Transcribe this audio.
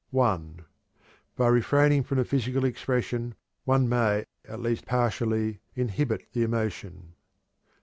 (1) By refraining from the physical expression, one may at least partially inhibit the emotion.